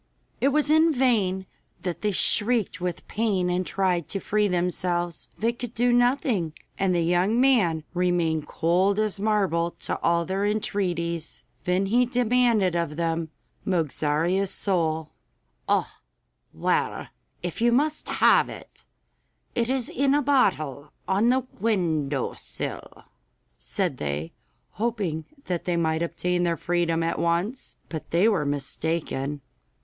It was in vain that they shrieked with pain and tried to free themselves. They could do nothing, and the young man remained cold as marble to all their entreaties. Then he demanded of them Mogarzea's soul. 'Oh, well, if you must have it, it is in a bottle on the window sill,' said they, hoping that they might obtain their freedom at once. But they were mistaken.